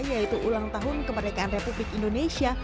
yaitu ulang tahun kemerdekaan republik indonesia